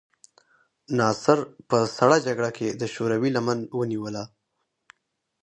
ناصر په سړه جګړه کې د شوروي لمن ونیوله.